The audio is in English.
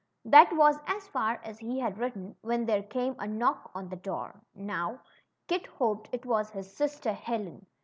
That was as far as he had written when there came a knock on the door. Now, Kit hoped it was his sister Helen.